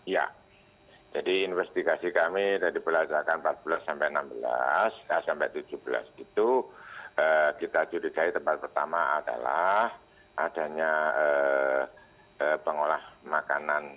ya jadi investigasi kami dari pelacakan empat belas sampai enam belas sampai tujuh belas itu kita curigai tempat pertama adalah adanya pengolah makanan